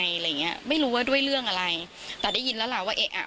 อะไรอย่างเงี้ยไม่รู้ว่าด้วยเรื่องอะไรแต่ได้ยินแล้วล่ะว่าเอ๊ะอ่ะ